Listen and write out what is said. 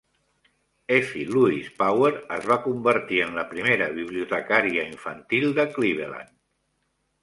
Effie Louise Power es va convertir en la primera bibliotecària infantil de Cleveland.